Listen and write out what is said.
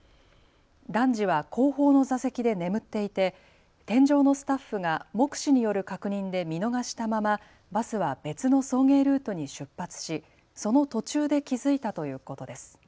男児は後方の座席で眠っていて添乗のスタッフが目視による確認で見逃したままバスは別の送迎ルートに出発し、その途中で気付いたということです。